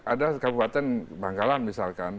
ada kabupaten bangkalan misalkan